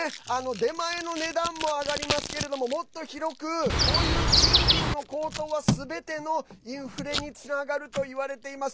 出前の値段も上がりますけどもっと広くこういう賃金の高騰はすべてのインフレにつながるといわれています。